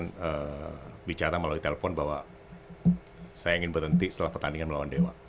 saya bicara melalui telepon bahwa saya ingin berhenti setelah pertandingan melawan dewa